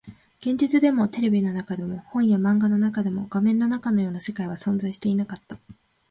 現実でも、テレビの中でも、本や漫画の中でも、画面の中のような世界は存在していなかった